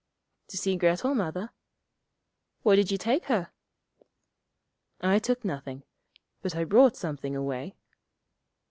'To see Grettel, Mother.' 'What did you take her?' 'I took nothing. But I brought something away.'